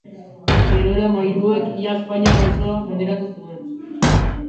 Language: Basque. Gerora mairuek ia Espainia osoa menderatu zuten.